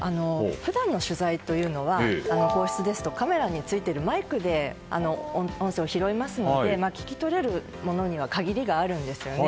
普段の取材というのは皇室ですとカメラについているマイクで音声を拾いますので聞き取れるものには限りがあるんですよね。